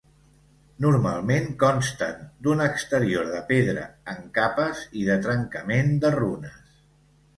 Normalment consten d’un exterior de pedra en capes i de trencament de runes.